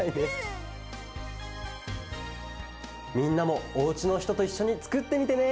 みんなもおうちのひとといっしょにつくってみてね！